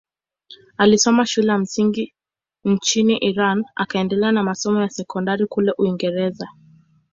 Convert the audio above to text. Alisoma shule ya msingi nchini Iran akaendelea na masomo ya sekondari kule Uingereza.